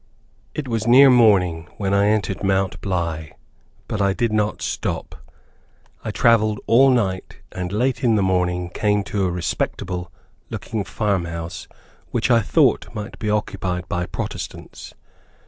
It was near morning when I entered Mt. Bly, but I did not stop. I traveled all night, and late in the morning came to a respectable looking farmhouse which I thought might be occupied by Protestants.